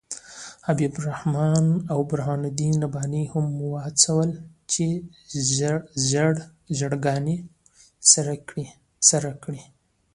حبیب الرحمن او برهان الدین رباني یې وهڅول چې ژړاګانې سر کړي.